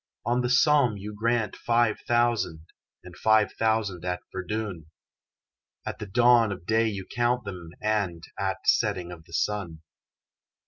On the Somme you grant five thousand And five thousand at Verdun; At the dawn of day you count them And at setting of the sun.